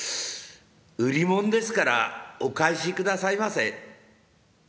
売りもんですからお返しくださいませ」。